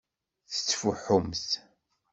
Tettfuḥumt.